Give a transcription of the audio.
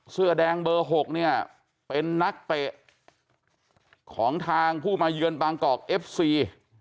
เสื้อแดงเบอร์๖เนี่ยเป็นนักเตะของทางผู้มาเยือนบางกอกเอฟซี